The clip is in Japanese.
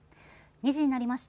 ２時になりました。